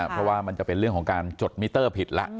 เพราะว่ามันจะเป็นเรื่องของการจดมิเตอร์ผิดแล้ว